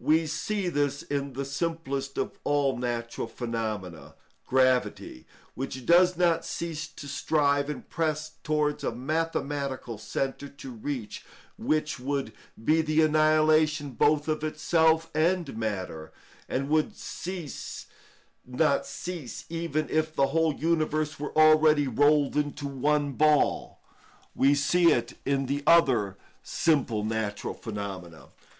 We see this in the simplest of all natural phenomena, gravity, which does not cease to strive and press towards a mathematical centre to reach which would be the annihilation both of itself and matter, and would not cease even if the whole universe were already rolled into one ball. We see it in the other simple natural phenomena.